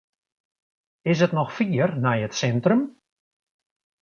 Is it noch fier nei it sintrum?